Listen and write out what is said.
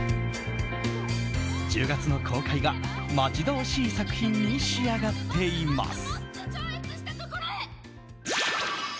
１０月の公開が待ち遠しい作品に仕上がっています。